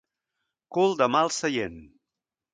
Cul de mal seient.